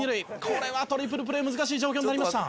「これはトリプルプレー難しい状況になりました」